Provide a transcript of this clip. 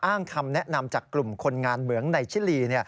อ้างคำแนะนำจากกลุ่มคนงานเหมืองในชิลี